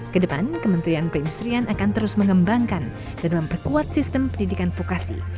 kedepan kementerian perindustrian akan terus mengembangkan dan memperkuat sistem pendidikan vokasi